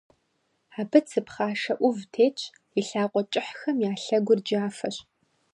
Абы цы пхъашэ Ӏув тетщ, и лъакъуэ кӀыхьхэм я лъэгур джафэщ.